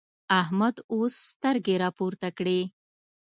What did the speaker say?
احمد اوس سترګې راپورته کړې.